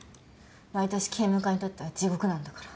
毎年警務課にとっては地獄なんだから。